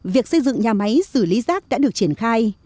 việc xây dựng nhà máy xử lý rác đã được triển khai